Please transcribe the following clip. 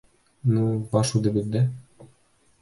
Ну, баш үҙебеҙҙә!